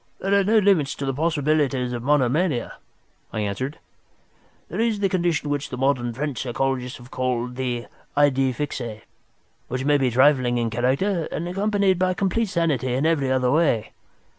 "There are no limits to the possibilities of monomania," I answered. "There is the condition which the modern French psychologists have called the idée fixe, which may be trifling in character, and accompanied by complete sanity in every other way.